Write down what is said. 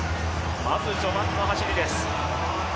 まず序盤の走りです。